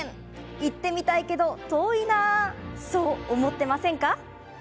行ってみたいけど遠いなそう思ってませんか？